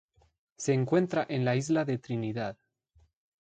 Se encuentra en la Isla de Trinidad.